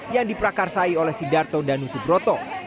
yang diprakarsai oleh sidarto dan usubroto